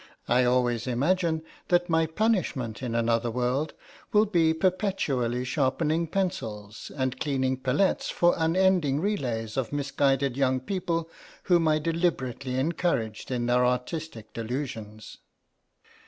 I always imagine that my punishment in another world will be perpetually sharpening pencils and cleaning palettes for unending relays of misguided young people whom I deliberately encouraged in their artistic delusions."